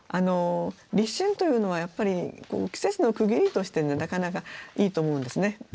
立春というのはやっぱり季節の区切りとしてなかなかいいと思うんですね。